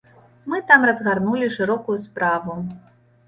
Мы там разгарнулі шырокую справу.